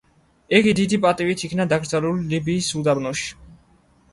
იგი დიდი პატივით იქნა დაკრძალული ლიბიის უდაბნოში.